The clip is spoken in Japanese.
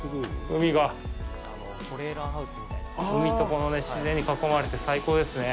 海と、この自然に囲まれて、最高ですね。